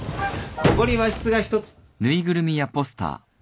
ここに和室が１つ。